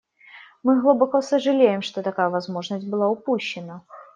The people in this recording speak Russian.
Мы глубоко сожалеем, что такая возможность была упущена.